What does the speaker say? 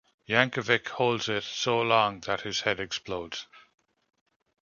Yankovic holds it so long that his head explodes.